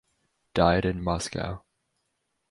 Died in Moscow.